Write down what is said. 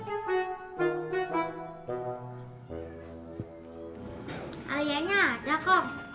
alianya ada kong